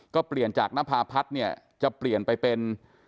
ก็เปลี่ยนจากนภาพัฒน์เนี่ยจะเปลี่ยนไปเป็น